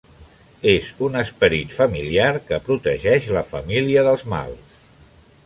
És un esperit familiar que protegeix la família dels mals.